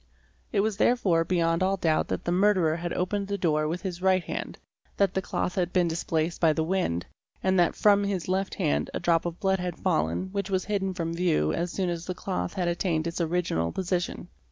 It was therefore beyond all doubt that the murderer had opened the door with his right hand, that the cloth had been displaced by the wind, and that from his left hand a drop of blood had fallen which was hidden from view as soon as the cloth had attained its original position.